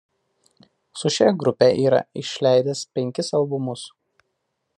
Su šia grupe yra išleidęs penkis albumus.